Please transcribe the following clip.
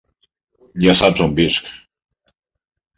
Ja saps on visc.